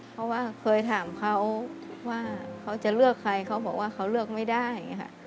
เพราะว่าเคยถามเขาว่าเขาจะเลือกใครเขาบอกว่าเขาเลือกไม่ได้ค่ะ